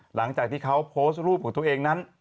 หลังจากที่เขาโพสต์รูปของตัวเองนั้น